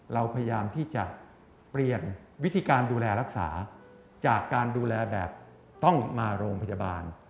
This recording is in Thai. เราพยายามที่จะเปลี่ยนวิธีการดูแลรักษาจากการดูแลแบบต้องมาโรงพยาบาล